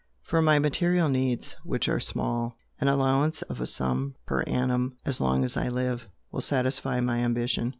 For my material needs, which are small, an allowance of a sum per annum as long as I live, will satisfy my ambition.